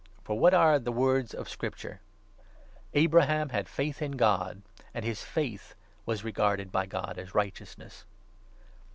For what are the 3 words of Scripture ?' Abraham had faith in God, and his faith was regarded by God as righteousness.'